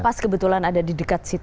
pas kebetulan ada di dekat situ